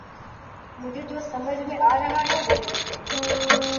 مجھے جو سمجھ میں آرہا ہے وہ لکھوں